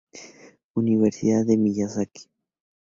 Universidad de Miyazaki